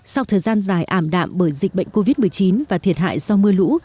sau thời gian dài ảm đạm bởi dịch bệnh covid một mươi chín và thiệt hại do mưa lũ